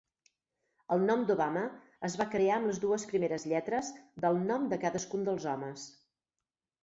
El nom Dobama es va crear amb les dues primeres lletres del nom de cadascun dels homes.